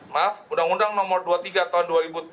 maaf undang undang nomor dua puluh tiga tahun dua ribu tujuh belas